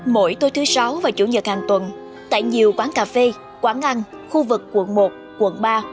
mỗi tối thứ sáu và chủ nhật hàng tuần tại nhiều quán cà phê quán ăn khu vực quận một quận ba